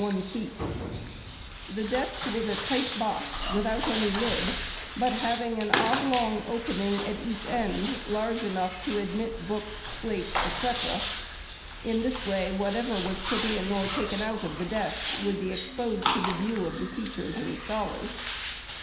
457 The desk was a tight box, without any lid, but having an oblong opening, at each end, large enough to admit books, slates, <fec. In this way, whatever was put in or taken out of the desk would be exposed to the view of the teacher and scholars.